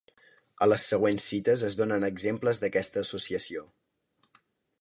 A les següents cites es donen exemples d'aquesta associació.